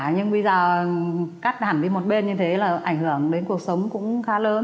nhưng bây giờ cắt giảm đi một bên như thế là ảnh hưởng đến cuộc sống cũng khá lớn